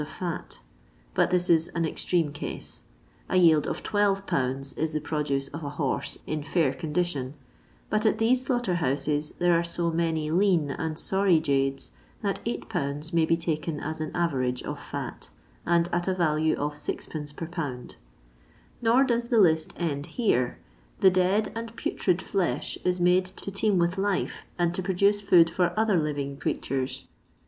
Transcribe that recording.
of hi, but this is an extreme case ; a yield of 12 lbs. is the produce of a horse in fair condition, bat at these slaughter bouses there are so many lean and sorry jades that 8 lbs. may be taken as an average of &t, and at a value of 6d. per lb. Nor does the list end here ; the dead and putrid flesh is made to teem with life, and to produce food for other living creatures.